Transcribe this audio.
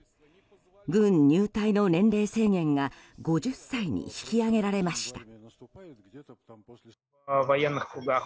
軍入隊の年齢制限が５０歳に引き上げられました。